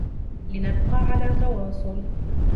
لنبقى على تواصل.